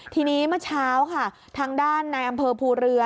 ทีนี้เมื่อเช้าค่ะทางด้านในอำเภอภูเรือ